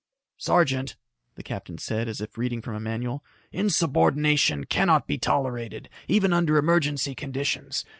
"Sergeant," the captain said, as if reading from a manual, "insubordination cannot be tolerated, even under emergency conditions.